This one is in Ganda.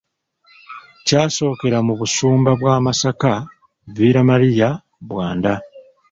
Kyasookera mu Busumba bwa Masaka, Villamaria, Bwanda